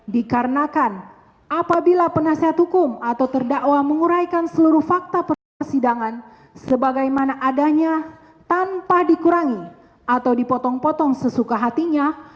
dikarenakan apabila penasihat hukum atau terdakwa menguraikan seluruh fakta persidangan sebagaimana adanya tanpa dikurangi atau dipotong potong sesuka hatinya